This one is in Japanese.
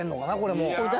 もう。